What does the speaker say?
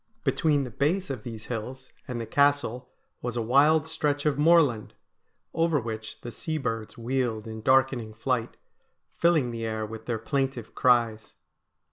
Between the base of these hills and the Castle was a wild stretch of moorland, over which the sea birds wheeled in 'darkening flight,' filling the air with their plaintive cries.